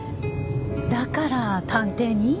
だから探偵に？